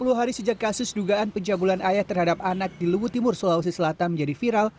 dua puluh hari sejak kasus dugaan penjambulan ayah terhadap anak di luhut timur sulawesi selatan menjadi viral